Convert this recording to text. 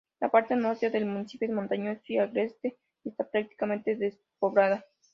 La parte norte del municipio es montañosa y agreste, y está prácticamente despoblada.